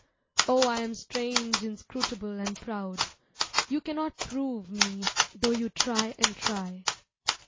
Oh, I am strange, inscrutable, and proud; You cannot prove me though you try and try.